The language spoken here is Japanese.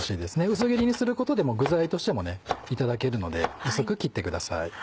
薄切りにすることで具材としてもいただけるので薄く切ってください。